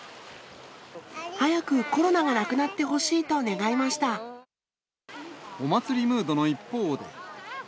早くコロナがなくなってほしお祭りムードの一方で。